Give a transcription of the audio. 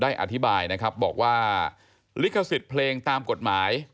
อธิบายนะครับบอกว่าลิขสิทธิ์เพลงตามกฎหมาย